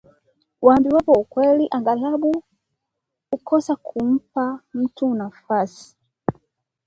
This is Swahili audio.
Waambiwapo ukweli aghalabu hukosa kumpa mtu nafasi